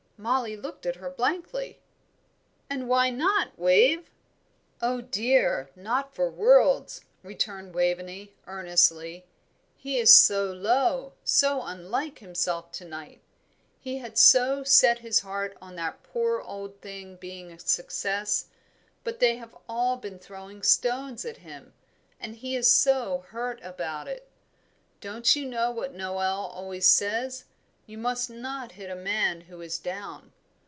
Mollie looked at her blankly. "And why not, Wave?" "Oh, dear, not for worlds," returned Waveney, earnestly. "He is so low, so unlike himself to night; he had so set his heart on that poor old thing being a success, but they have all been throwing stones at him, and he is so hurt about it. Don't you know what Noel always says: 'You must not hit a man who is down.'